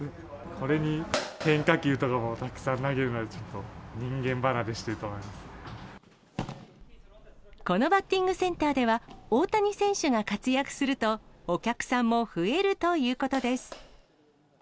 これに変化球とかもたくさん投げるのは、ちょっと人間離れしてるこのバッティングセンターでは、大谷選手が活躍すると、お客さんも増えるということです。